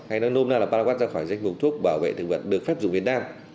hay nói nôm na là paraquat ra khỏi danh mục thuốc bảo vệ thực vật được phép dùng việt nam